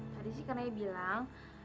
tadi sih kakaknya bilang